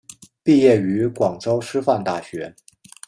毕业于广州师范大学。